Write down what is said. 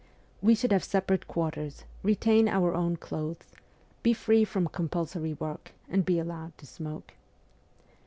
We should have separate quarters, retain our own clothes, be free from compulsory work, and be allowed to smoke.